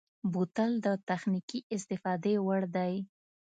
بوتل د تخنیکي استفادې وړ دی.